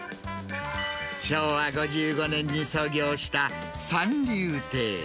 昭和５５年に創業した三龍亭。